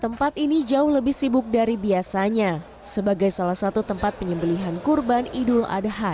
tempat ini jauh lebih sibuk dari biasanya sebagai salah satu tempat penyembelihan kurban idul adha